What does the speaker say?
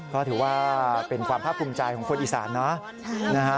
ก็ถือว่าเป็นความภาพภูมิใจของคนอีสานนะ